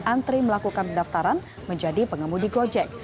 pengemudi yang antri melakukan pendaftaran menjadi pengemudi gojek